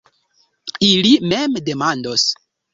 Ili mem demandos.